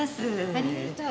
ありがとう。